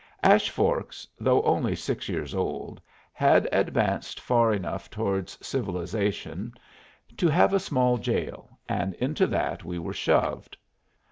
Ash Forks, though only six years old, had advanced far enough towards civilization to have a small jail, and into that we were shoved.